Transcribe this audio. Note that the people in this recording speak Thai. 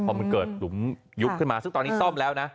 พอมันเกิดหลุมยุบขึ้นมาซึ่งตอนนี้ซ่อมแล้วนะ